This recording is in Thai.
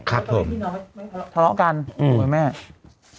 ครับผมทะเลาะกันหรือไหมแม่พี่น้อย